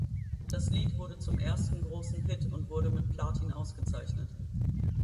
Das Lied wurde zum ersten großen Hit und wurde mit Platin ausgezeichnet.